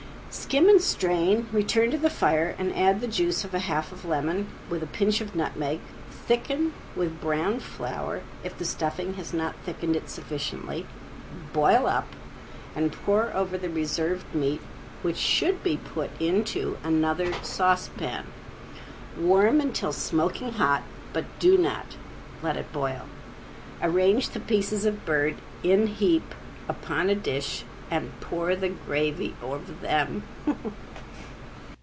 Skim and strain, return to the fire, and add the juice of a half lemon, with a pinch of nutmeg, thicken with browned flour if the stuffing has not thickened it sufficiently, boil up and pour over the reserved meat, which should be put into another saucepan. Warm until smoking hot, but do not let it boil. Arrange the pieces of bird in heap upon a dish and pour the gravy over them.